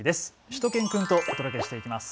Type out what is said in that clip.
しゅと犬くんとお届けしていきます。